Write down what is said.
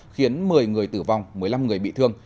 khiến một mươi người tử vong một mươi năm người bị thương